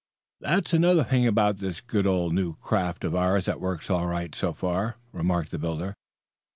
"That's another thing about this good old new craft of ours that works all right, so far," remarked the builder.